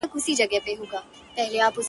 په نازونو په نخرو به ورپسې سو٫